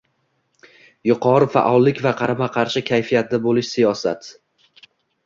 Yuqori faollik va qarama-qarshi kayfiyatda bo‘lish siyosat